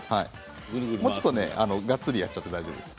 もうちょっとがっつりやっちゃって大丈夫です。